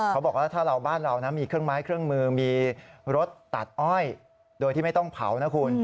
เขาบอกว่าถ้าเราบ้านเรานะมีเครื่องไม้เครื่องมือมีรถตัดอ้อยโดยที่ไม่ต้องเผานะคุณ